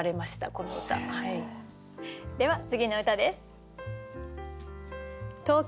では次の歌です。